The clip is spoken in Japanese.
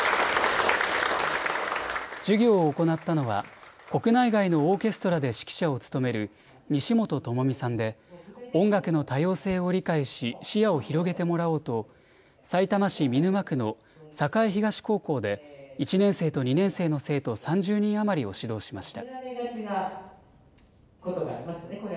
授業を行ったのは国内外のオーケストラで指揮者を務める西本智実さんで音楽の多様性を理解し視野を広げてもらおうとさいたま市見沼区の栄東高校で１年生と２年生の生徒３０人余りを指導しました。